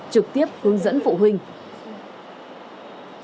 trực tiếp hướng dẫn phụ huynh